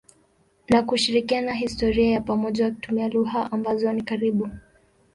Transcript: na kushirikiana historia ya pamoja wakitumia lugha ambazo ni karibu.